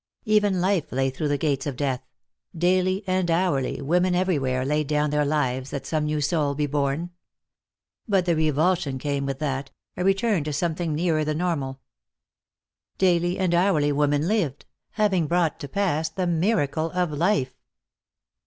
Even life lay through the gates of death; daily and hourly women everywhere laid down their lives that some new soul be born. But the revulsion came with that, a return to something nearer the normal. Daily and hourly women lived, having brought to pass the miracle of life.